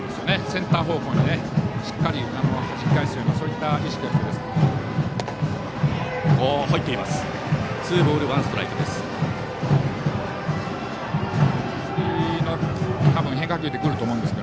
センター方向へ、しっかりはじき返すような意識です。